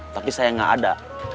tapi saya gak ada